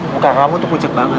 muka kamu tuh pucat banget